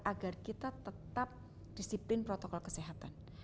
agar kita tetap disiplin protokol kesehatan